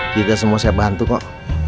kita semua saya bantu kok